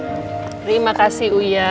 terima kasih uya